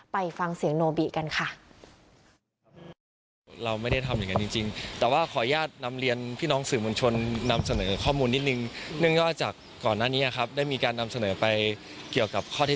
ไปฟังเสียงโนบิกันค่ะ